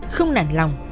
không nản lòng